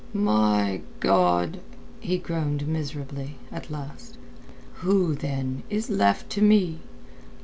"My God!" he groaned miserably, at last. "Who, then, is left to me!